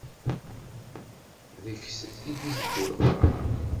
Deg-s i d-iteddu leqrar.